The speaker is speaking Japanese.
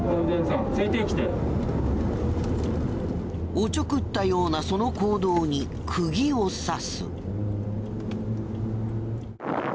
おちょくったようなその行動にくぎを刺す。